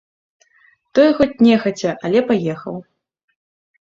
Той хоць нехаця, але паехаў.